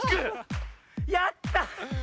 やった。